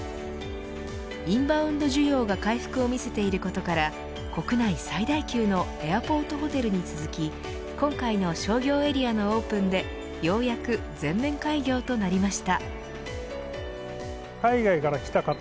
インバウンド需要が回復を見せていることから国内最大級のエアポートホテルに続き今回の商業エリアのオープンでようやく全面開業となりました。